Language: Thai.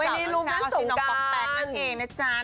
นี่รูปนั้นสงกราน